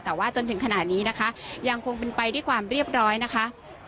แต่ว่าจนถึงขณะนี้นะคะยังคงเป็นไปด้วยความเรียบร้อยนะคะ